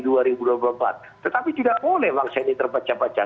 tetapi tidak boleh bangsa ini terpecah pecah